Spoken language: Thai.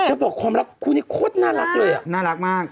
บอกความรักคู่นี้โคตรน่ารักเลยอ่ะน่ารักมาก